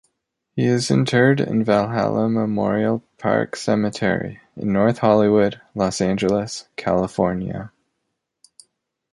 He is interred in Valhalla Memorial Park Cemetery in North Hollywood, Los Angeles, California.